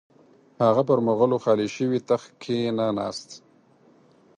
هغه پر مغولو خالي شوي تخت کښې نه ناست.